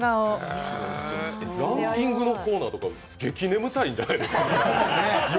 ランキングのコーナーとか激眠たいんじゃないですか。